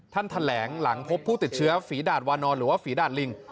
แถลงหลังพบผู้ติดเชื้อฝีดาดวานอนหรือว่าฝีดาดลิง